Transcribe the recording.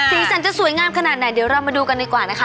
สีสันจะสวยงามขนาดไหนเดี๋ยวเรามาดูกันดีกว่านะคะ